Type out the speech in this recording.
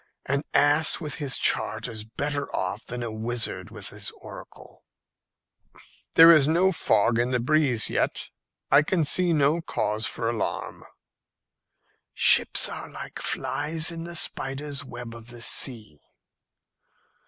An ass with his chart is better off than a wizard with his oracle." "There is no fog in the breeze yet, and I see no cause for alarm." "Ships are like flies in the spider's web of the sea."